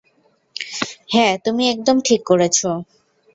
হ্যাঁ, তুমি একদম ঠিক করেছ।